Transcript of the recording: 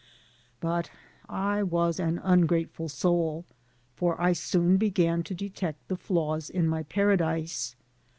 But I was an ungrateful soul, for I soon began to detect the flaws in my paradise.